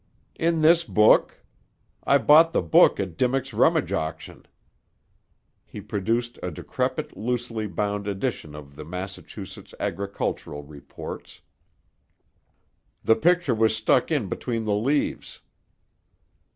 "In this book. I bought the book at Dimmock's rummage auction." He produced a decrepit, loosely bound edition of the Massachusetts Agricultural Reports. "The picture was stuck in between the leaves."